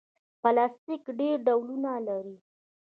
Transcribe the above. پلاستيک ډېر ډولونه لري.